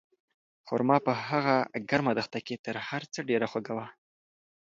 خورما په هغه ګرمه دښته کې تر هر څه ډېره خوږه وه.